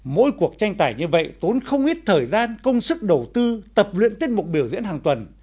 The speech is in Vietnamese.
mỗi cuộc tranh tải như vậy tốn không ít thời gian công sức đầu tư tập luyện tiết mục biểu diễn hàng tuần